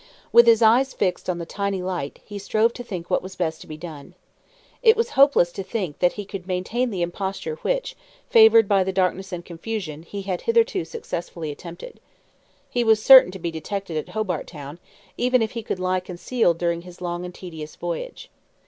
With his eyes fixed on the tiny light, he strove to think what was best to be done. It was hopeless to think that he could maintain the imposture which, favoured by the darkness and confusion, he had hitherto successfully attempted. He was certain to be detected at Hobart Town, even if he could lie concealed during his long and tedious voyage.